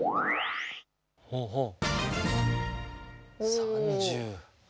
３０。